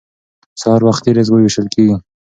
سهار وختي رزق ویشل کیږي.